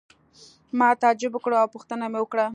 ما تعجب وکړ او پوښتنه مې وکړه.